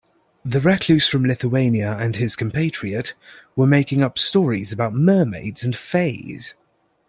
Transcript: The recluse from Lithuania and his compatriot were making up stories about mermaids and fays.